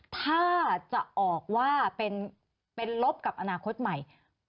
ถ้าจะออกว่าเป็นลบกับอนาคตใหม่